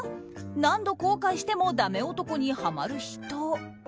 何度後悔してもダメ男にハマる人。